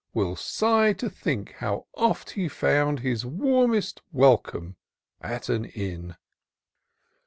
Will sigh to think how oft he found His warmest welcome at an inn."